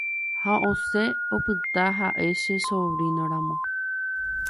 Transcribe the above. ha osẽ opyta ha'e che sobrino-ramo